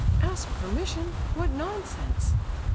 "Ask permission! What nonsense!"